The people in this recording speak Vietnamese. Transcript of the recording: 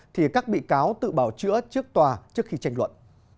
thì các bị cáo tự bào chữa trước tòa trước khi tranh luận